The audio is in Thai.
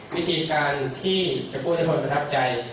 วิธีการที่จะพูดให้คนประทับใจ